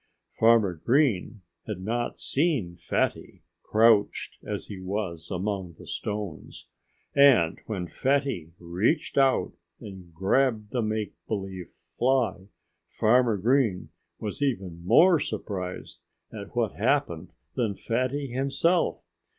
Farmer Green had not seen Fatty, crouched as he was among the stones. And when Fatty reached out and grabbed the make believe fly Farmer Green was even more surprised at what happened than Fatty himself.